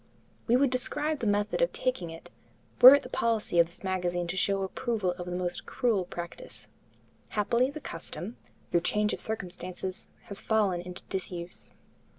We would describe the method of taking it, were it the policy of this magazine to show approval of a most cruel practice. Happily the custom, through change of circumstances, has fallen into disuse.